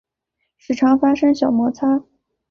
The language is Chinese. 时常发生小摩擦